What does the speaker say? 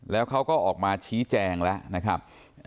แล้วเขาก็ออกมาชี้แจงแล้วนะครับ